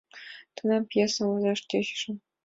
Тунамак пьесым возаш тӧчышым.